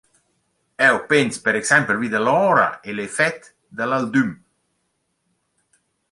Eu pens per exaimpel vi da l’ora e l’effet da l’aldüm».